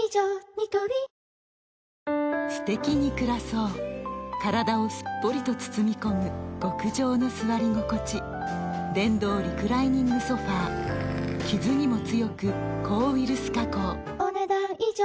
ニトリすてきに暮らそう体をすっぽりと包み込む極上の座り心地電動リクライニングソファ傷にも強く抗ウイルス加工お、ねだん以上。